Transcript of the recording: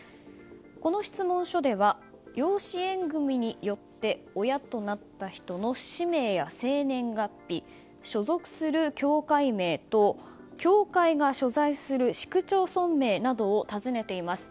この質問書では養子縁組によって親となった人の氏名や生年月日所属する教会名と教会が所在する市区町村名などを尋ねています。